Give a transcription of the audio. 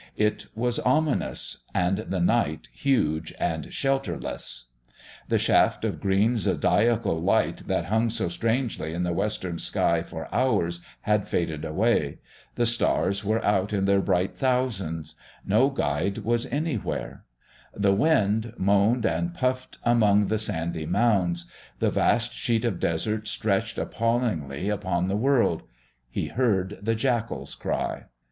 It was ominous; and the night huge and shelterless. The shaft of green zodiacal light that hung so strangely in the western sky for hours had faded away; the stars were out in their bright thousands; no guide was anywhere; the wind moaned and puffed among the sandy mounds; the vast sheet of desert stretched appallingly upon the world; he heard the jackals cry....